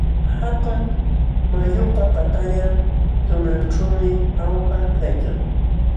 Hatun mayupa patallan tunanćhuumi Jauja kaykan.